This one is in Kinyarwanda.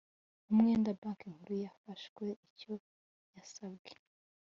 umwenda Banki Nkuru yafashe icyo yasabwe